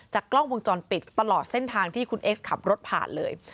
กล้องวงจรปิดตลอดเส้นทางที่คุณเอสขับรถผ่านเลย